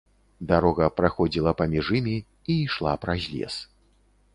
Дарога праходзіла паміж імі і ішла праз лес.